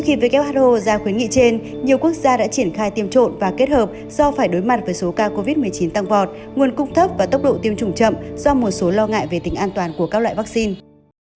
khi who ra khuyến nghị trên nhiều quốc gia đã triển khai tiêm trộm và kết hợp do phải đối mặt với số ca covid một mươi chín tăng vọt nguồn cung thấp và tốc độ tiêm chủng chậm do một số lo ngại về tính an toàn của các loại vaccine